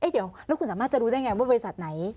เดี๋ยวแล้วคุณสามารถจะรู้ได้ไงว่าบริษัทไหน